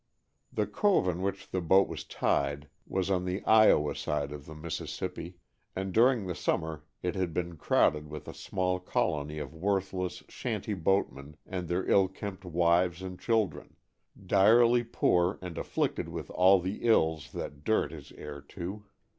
The cove in which the boat was tied was on the Iowa side of the Mississippi, and during the summer it had been crowded with a small colony of worthless shanty boatmen and their ill kempt wives and children, direly poor and afflicted with all the ills that dirt is heir to.